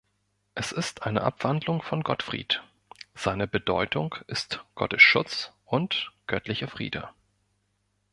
Es ist eine Abwandlung von Gottfried, seine Bedeutung ist „Gottes Schutz“ und „göttlicher Friede“.